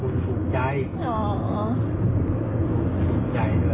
หรือจะแกล้งแย่อย่างคุณเรื่อยหรือ